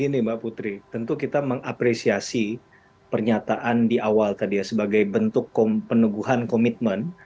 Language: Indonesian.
begini mbak putri tentu kita mengapresiasi pernyataan di awal tadi ya sebagai bentuk peneguhan komitmen